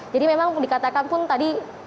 jadi memang dikatakan pun tadi